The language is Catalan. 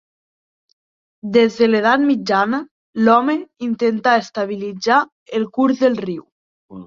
Des de l'edat mitjana l'home intentà estabilitzar el curs del riu.